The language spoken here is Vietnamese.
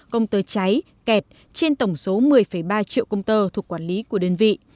công tơ cháy kẹt trên tổng số một mươi ba triệu công tơ thuộc quản lý của đơn vị